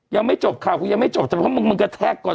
ยังไม่จบคราวคุยยังไม่จบเพราะมึงกระแทกก่อน